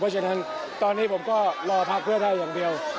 เพราะฉะนั้นตอนนี้ผมก็รอพักเพื่อไทยอย่างเดียว